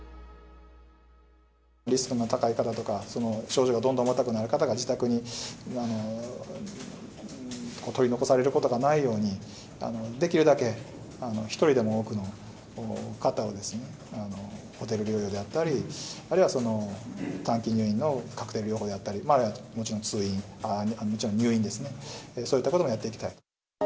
リスクの高い方とか、症状がどんどん重たくなる方が自宅に取り残されることがないように、できるだけ一人でも多くの方をホテル療養であったり、あるいは短期入院のカクテル療法であったり、もちろん通院、もちろん入院ですね、そういったこともやっていきたいと。